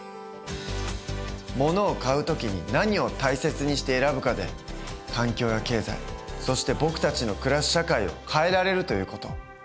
ものを買う時に何を大切にして選ぶかで環境や経済そして僕たちの暮らす社会を変えられるという事。